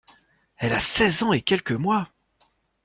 Elle a seize ans et quelques mois!